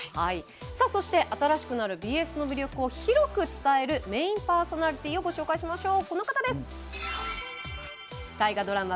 そして、新しくなるＢＳの魅力を広く伝えるメインパーソナリティーをご紹介しましょう。